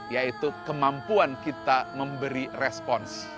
yaitu kemampuan kita memberi respons